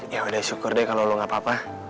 yaudah syukur deh kalo lu gak apa apa